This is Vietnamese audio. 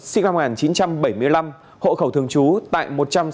sinh năm một nghìn chín trăm bảy mươi năm hộ khẩu thường trú tại một trăm sáu mươi bảy